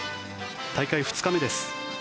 大会２日目です。